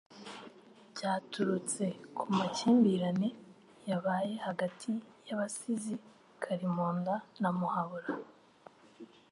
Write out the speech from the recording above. byaturutse ku makimbirane yabaye hagati y'Abasizi Kalimunda na Muhabura